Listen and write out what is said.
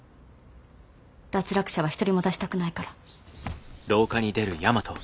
脱落者は一人も出したくないから。